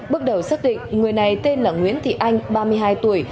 bước đầu xác định người này tên là nguyễn thị anh ba mươi hai tuổi